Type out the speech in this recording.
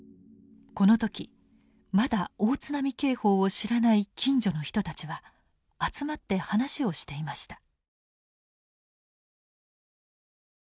この時まだ大津波警報を知らない近所の人たちは集まって話をしていました。